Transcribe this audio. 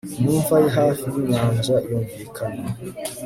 Mu mva ye hafi yinyanja yumvikana